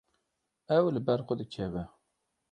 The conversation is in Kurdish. Ew li ber xwe dikeve.